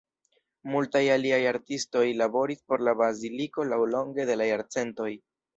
Multaj aliaj artistoj laboris por la baziliko laŭlonge de la jarcentoj.